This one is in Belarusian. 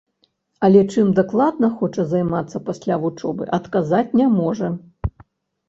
Але чым дакладна хоча займацца пасля вучобы, адказаць не можа.